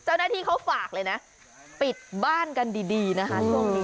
เจ้าหน้าที่เขาฝากเลยนะปิดบ้านกันดีนะคะช่วงนี้